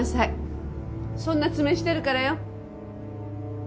そんな爪してるからよ。